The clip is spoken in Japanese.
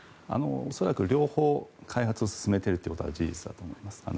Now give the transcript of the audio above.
恐らく両方開発を進めているということは事実だと思います。